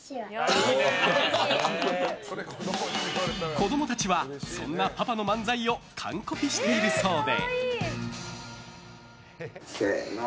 子供たちはそんなパパの漫才を完コピしているそうで。